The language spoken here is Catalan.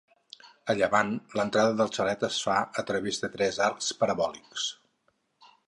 A llevant, l'entrada del xalet es fa a través de tres arcs parabòlics.